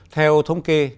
theo thống kê